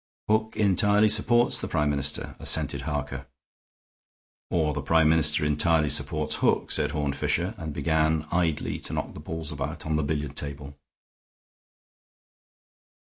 "Hook entirely supports the Prime Minister," assented Harker. "Or the Prime Minister entirely supports Hook," said Horne Fisher, and began idly to knock the balls about on the billiard table.